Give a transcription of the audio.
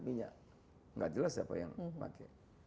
enggak jelas siapa yang pakai